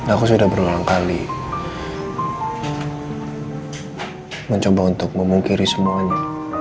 aku sudah berulang kali mencoba untuk memungkiri semuanya